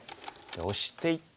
オシていって。